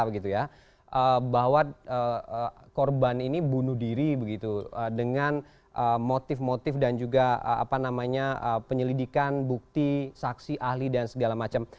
bahwa korban ini bunuh diri begitu dengan motif motif dan juga penyelidikan bukti saksi ahli dan segala macam